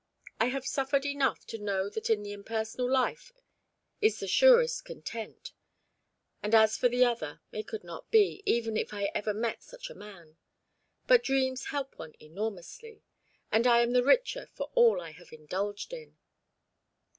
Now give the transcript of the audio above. I have suffered enough to know that in the impersonal life is the surest content. And as for the other it could not be, even if I ever met such a man. But dreams help one enormously, and I am the richer for all I have indulged in."